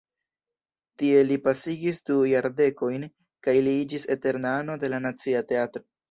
Tie li pasigis du jardekojn kaj li iĝis eterna ano de la Nacia Teatro.